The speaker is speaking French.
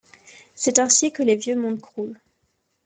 C’est ainsi que les vieux mondes croulent.